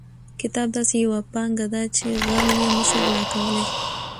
کتاب داسې یوه پانګه ده چې غل یې نشي غلا کولی.